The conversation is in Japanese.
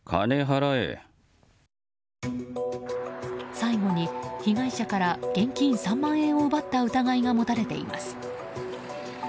最後に被害者から現金３万円を奪った疑いが持たれています。